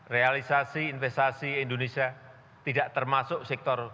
realisasi investasi indonesia tidak termasuk sektor